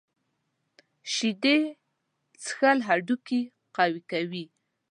شیدې څښل هډوکي قوي کوي.